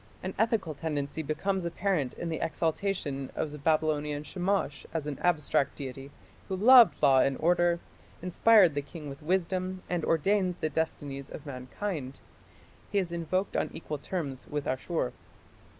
An ethical tendency becomes apparent in the exaltation of the Babylonian Shamash as an abstract deity who loved law and order, inspired the king with wisdom and ordained the destinies of mankind. He is invoked on equal terms with Ashur.